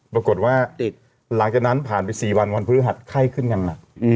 ปรากฏว่าหลังจากนั้นผ่านไป๔วันวันพฤหัสไข้ขึ้นอย่างหนัก